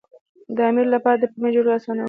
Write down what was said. د امیر لپاره د پلمې جوړول اسانه وو.